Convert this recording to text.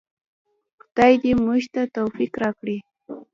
خدای دې موږ ته توفیق راکړي